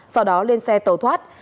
sau đó lên xe tàu thoát